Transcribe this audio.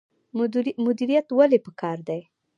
مدیریت ولې پکار دی؟